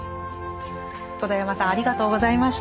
戸田山さんありがとうございました。